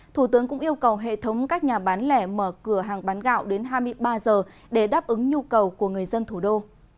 thủ tướng cũng yêu cầu hệ thống các nhà bán lẻ mở cửa hàng bán gạo đến hai mươi ba h để đáp ứng nhu cầu của người dân thủ đô